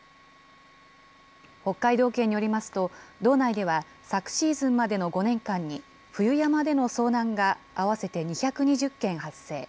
北海道警によりますと、道内では、昨シーズンまでの５年間に、冬山での遭難が合わせて２２０件発生。